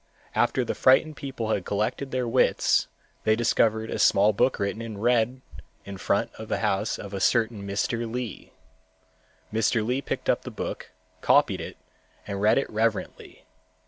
After the frightened people had collected their wits, they discovered a small book written in red in front of the house of a certain Mr. Li. Mr. Li picked up the book, copied it and read it reverently.